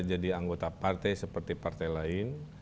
anggota partai seperti partai lain